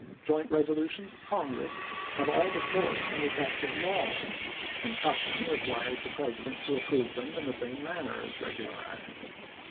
Joint resolutions of Congress have all the force and effect of laws, and custom requires the President to approve them in the same manner as regular acts.